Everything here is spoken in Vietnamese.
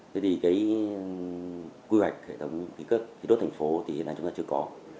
thế thì quy hoạch hệ thống khí cấp khí đốt thành phố hiện nay chúng ta chưa có